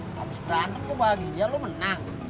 habis berantem kok bahagia lu menang